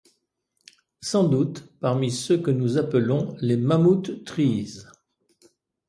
Sans doute, parmi ceux que nous appelons les « mammouth trees ».